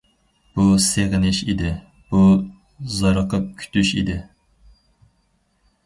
بۇ سېغىنىش ئىدى، بۇ زارىقىپ كۈتۈش ئىدى.